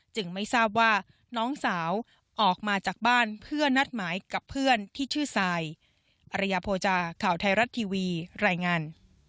ไม่ทราบว่าน้องสาวออกมาจากบ้านเพื่อนัดหมายกับเพื่อนที่ชื่อทรายอริยโภจาข่าวไทยรัฐทีวีรายงาน